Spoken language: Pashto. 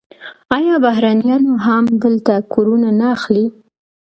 آیا بهرنیان هم هلته کورونه نه اخلي؟